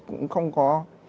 cũng không có